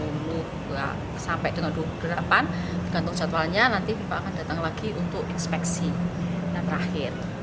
dan nanti di bulan maret tanggal dua puluh maret sampai dengan dua puluh delapan maret bergantung jadwalnya nanti fifa akan datang lagi untuk inspeksi